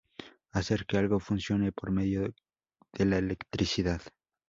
Hacer que algo funcione por medio de la electricidad.